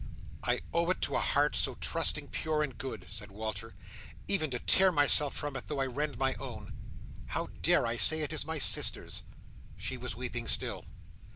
"I owe it to a heart so trusting, pure, and good," said Walter, "even to tear myself from it, though I rend my own. How dare I say it is my sister's!" She was weeping still.